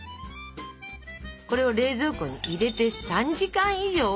これを冷蔵庫に入れて３時間以上冷やすわけです。